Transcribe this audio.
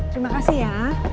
terima kasih ya